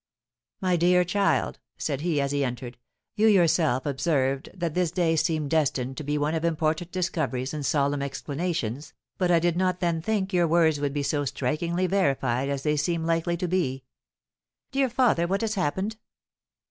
"My dear child," said he, as he entered, "you yourself observed that this day seemed destined to be one of important discoveries and solemn explanations, but I did not then think your words would be so strikingly verified as they seem likely to be." "Dear father, what has happened?"